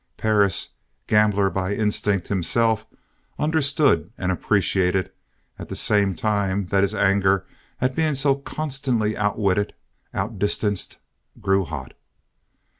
Perris, gambler by instinct himself, understood and appreciated, at the same time that his anger at being so constantly outwitted, outdistanced, grew hot.